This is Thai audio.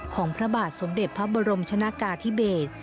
ของพระบาทสมเด็จพระบรมชนะกาธิเบศ